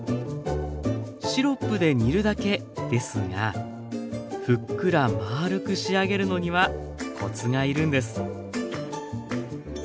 シロップで煮るだけですがふっくらまるく仕上げるのにはコツがいるんです。